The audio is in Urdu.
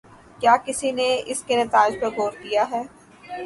کیا کسی نے اس کے نتائج پر غور کیا ہے؟